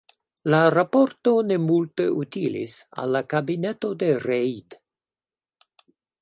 La raporto ne multe utilis al la kabineto de Reid.